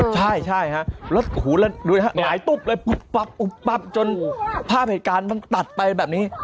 ใช่ฮะแล้วดูฮะหงายตุ๊บเลยปุ๊บปั๊บจนภาพเหตุการณ์มันตัดไปแบบนี้